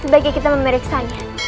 sebaiknya kita memeriksanya